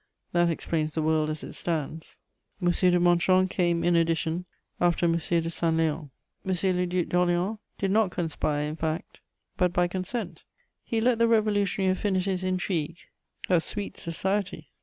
_ That explains the world as it stands. M. de Montrond came in addition, after M. de Saint Léon. M. le Duc d'Orléans did not conspire in fact but by consent; he let the revolutionary affinities intrigue: a sweet society!